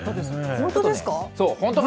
本当ですか？